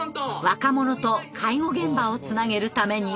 若者と介護現場をつなげるために。